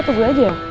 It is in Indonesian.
tunggu aja ya